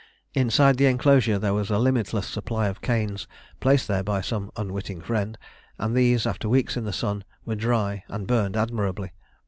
Inside the enclosure there was a limitless supply of canes, placed there by some unwitting friend, and these, after weeks in the sun, were dry and burned admirably.